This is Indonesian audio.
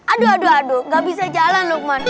aduh aduh gak bisa jalan lukman